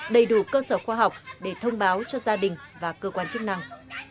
đầy đủ cơ sở khoa học để thông báo cho gia đình và cơ quan chức năng